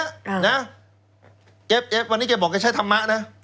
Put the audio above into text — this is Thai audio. เกฟวันนี้เกฟบอกเกฟใช้ธรรมะนะ